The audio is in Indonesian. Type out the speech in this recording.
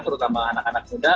terutama anak anak muda